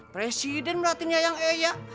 presiden merhatiin yayang eya